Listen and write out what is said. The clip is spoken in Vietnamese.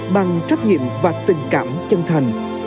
bằng trách nhiệm và tình cảm chân thành